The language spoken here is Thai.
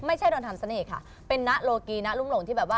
โดนทำเสน่ห์ค่ะเป็นนะโลกีนะรุ่มหลงที่แบบว่า